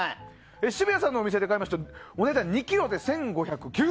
澁谷さんのお店で買うとお値段は２ｋｇで１５９８円。